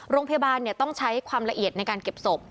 โรงพยาบาลต้องใช้ความละเอียดในการเก็บศพ